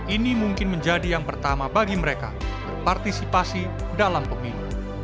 ini mungkin menjadi yang pertama bagi mereka berpartisipasi dalam pemilu